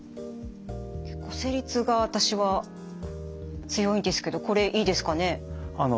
結構生理痛が私は強いんですけどこれいいですかね？